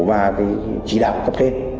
và chỉ đạo cấp thiết